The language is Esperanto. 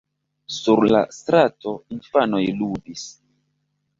Sur la strato infanoj ludis.